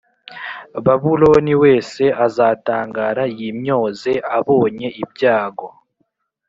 Babuloni wese azatangara yimyoze abonye ibyago